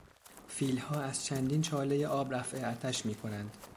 فیلها از چندین چالهی آب رفع عطش میکنند.